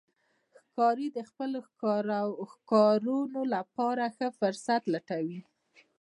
ښکاري د خپلو ښکارونو لپاره ښه فرصت لټوي.